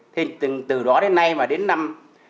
thì từ đó đến nay mà đến năm